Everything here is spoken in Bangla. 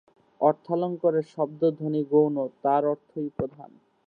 অর্থালঙ্কারে শব্দধ্বনি গৌণ, তার অর্থই প্রধান।